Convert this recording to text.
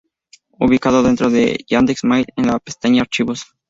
Ubicado dentro de Yandex.Mail en la pestaña "Archivos".